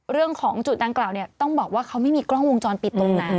เรื่องของจุดดังกล่าวเนี่ยต้องบอกว่าเขาไม่มีกล้องวงจรปิดตกนะ